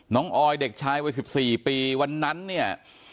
ออยเด็กชายวัย๑๔ปีวันนั้นเนี่ย